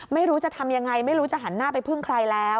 ไม่รู้จะทำยังไงไม่รู้จะหันหน้าไปพึ่งใครแล้ว